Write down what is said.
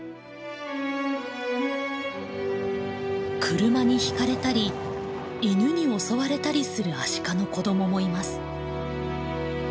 車にひかれたりイヌに襲われたりするアシカの子どももいます。